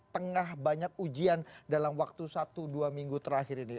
tengah banyak ujian dalam waktu satu dua minggu terakhir ini